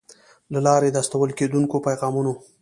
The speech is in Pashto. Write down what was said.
له لارې د استول کېدونکو پیغامونو